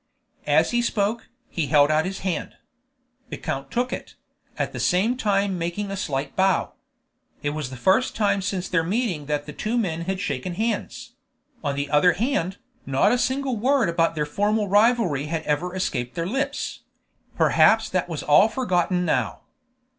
As he spoke, he held out his hand. The count took it, at the same time making a slight bow. It was the first time since their meeting that the two men had shaken hands; on the other hand, not a single word about their former rivalry had ever escaped their lips; perhaps that was all forgotten now.